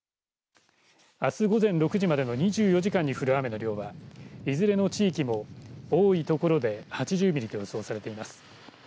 あす午前６時までの２４時間に降る雨の量はいずれの地域も多いところで８０ミリと予想されています。